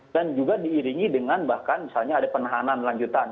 dan juga diiringi dengan bahkan misalnya ada penahanan lanjutan